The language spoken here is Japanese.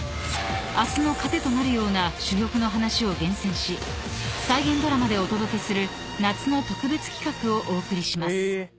［明日の糧となるような珠玉の話を厳選し再現ドラマでお届けする夏の特別企画をお送りします］